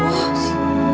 masa udah siap